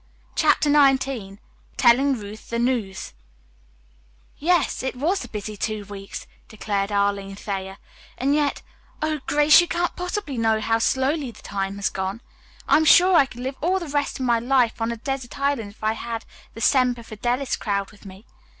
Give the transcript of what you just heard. CHAPTER XIX TELLING RUTH THE NEWS "Yes, it was a busy two weeks," declared Arline Thayer, "and yet, oh, Grace, you can't possibly know how slowly the time has gone. I am sure I could live all the rest of my life on a desert island if I had the Semper Fidelis crowd with me.